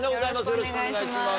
よろしくお願いします。